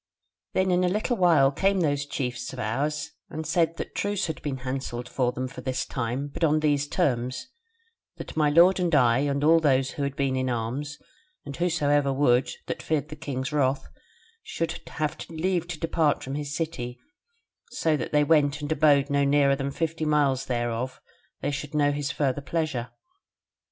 "Then in a little while came those chiefs of ours and said that truce had been hanselled them for this time, but on these terms, that my lord and I and all those who had been in arms, and whosoever would, that feared the king's wrath, should have leave to depart from his city so that they went and abode no nearer than fifty miles thereof till they should know his further pleasure.